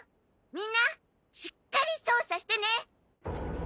みんなしっかり捜査してね！